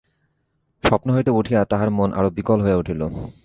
স্বপ্ন হইতে উঠিয়া তাহার মন আরো বিকল হইয়া উঠিল।